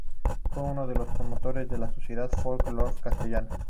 Fue uno de los promotores de la sociedad Folk-Lore Castellano.